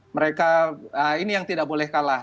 mereka ini yang tidak boleh kalah